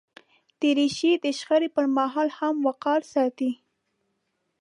دریشي د شخړې پر مهال هم وقار ساتي.